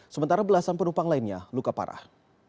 sementara belasan penumpang lainnya luka parah